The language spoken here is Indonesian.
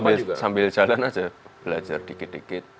sambil jalan aja belajar dikit dikit